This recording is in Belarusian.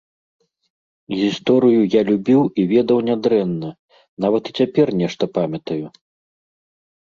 Гісторыю я любіў і ведаў нядрэнна, нават і цяпер нешта памятаю.